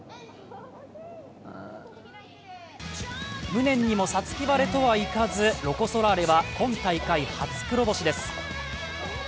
無念にも五月晴れとはいかずロコ・ソラーレは今大会初黒星です。